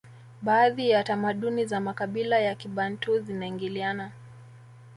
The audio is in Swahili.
baadhi ya tamaduni za makabila ya kibantu zinaingiliana